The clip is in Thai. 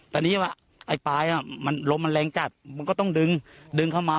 แต่อันนี้ไอ้ปลายโรงแรงจัดมันต้องดึงมา